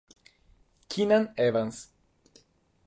Keenan Evans